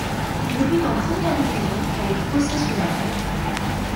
Il débute en première division avec Osasuna.